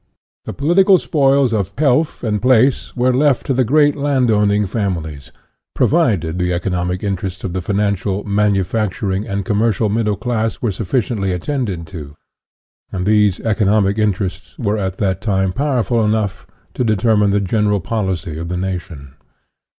The political spoils of " pelf and place M were left to the great land owning families, pro vided the economic interests of the financial, manufacturing, and commercial middle class were sufficiently attended to. And these economic interests were at that time powerful enough to determine the general policy of the nation.